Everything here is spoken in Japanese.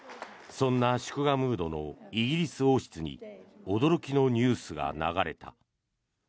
そんな祝賀ムードのイギリス王室に驚きのニュースが流れた。